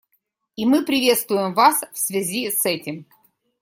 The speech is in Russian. И мы приветствуем вас в связи с этим.